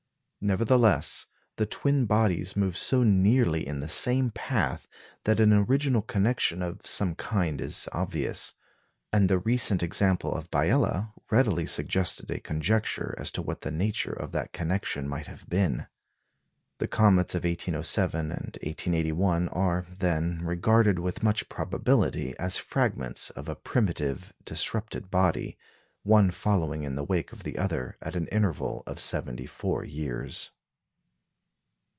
Nevertheless, the twin bodies move so nearly in the same path that an original connection of some kind is obvious; and the recent example of Biela readily suggested a conjecture as to what the nature of that connection might have been. The comets of 1807 and 1881 are, then, regarded with much probability as fragments of a primitive disrupted body, one following in the wake of the other at an interval of seventy four years.